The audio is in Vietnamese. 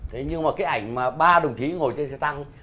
thế nhưng mà cái ảnh mà ba đồng chí ngồi trên xe tăng